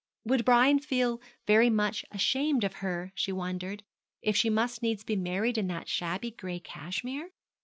Would Brian feel very much ashamed of her, she wondered, if she must needs be married in that shabby gray cashmere?